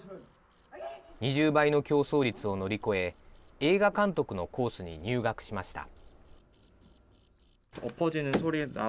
２０倍の競争率を乗り越え、映画監督のコースに入学しました。